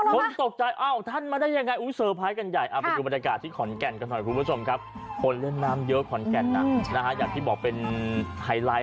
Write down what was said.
คนตกใจอ้าวท่านมาได้ยังไงสเตอะ